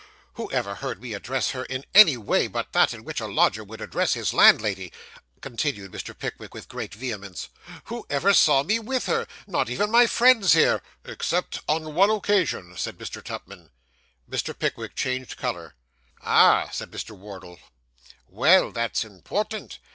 'Who ever heard me address her in any way but that in which a lodger would address his landlady?' continued Mr. Pickwick, with great vehemence. 'Who ever saw me with her? Not even my friends here ' 'Except on one occasion,' said Mr. Tupman. Mr. Pickwick changed colour. 'Ah,' said Mr. Wardle. 'Well, that's important.